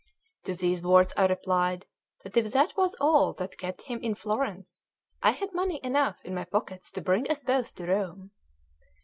To these words I replied that if that was all that kept him in Florence I had money enough in my pockets to bring us both to Rome.